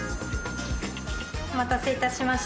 お待たせいたしました。